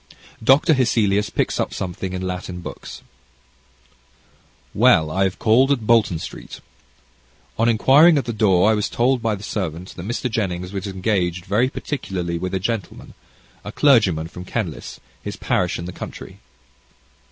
CHAPTER III Dr. Hesselius Picks Up Something in Latin Books Well, I have called at Blank Street. On inquiring at the door, the servant told me that Mr. Jennings was engaged very particularly with a gentleman, a clergyman from Kenlis, his parish in the country.